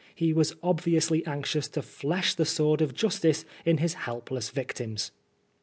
He was obviously anxious to flesh the sword of justice in his helpless victims.